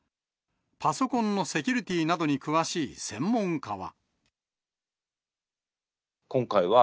パソコンのセキュリティーなどに詳しい専門家は。